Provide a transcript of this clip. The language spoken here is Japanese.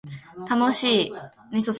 楽しい